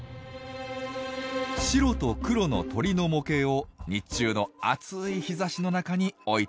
白と黒の鳥の模型を日中の暑い日ざしの中に置いておきます。